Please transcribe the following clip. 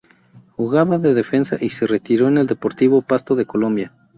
Jugaba de defensa y se retiró en el Deportivo Pasto de Colombia.